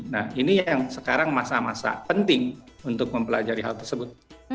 nah ini yang sekarang masa masa penting untuk mempelajari hal tersebut